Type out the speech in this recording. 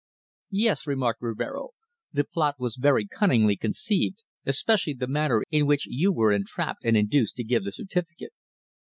"Yes," remarked Rivero. "The plot was very cunningly conceived, especially the manner in which you were entrapped and induced to give the certificate."